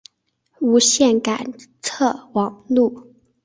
无线感测网路。